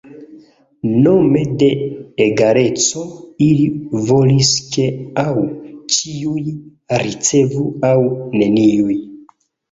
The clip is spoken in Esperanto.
Nome de egaleco ili volis ke aŭ ĉiuj ricevu aŭ neniuj.